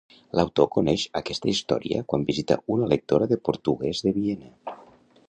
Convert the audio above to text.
L'autor coneix aquesta història quan visita una lectora de portuguès de Viena.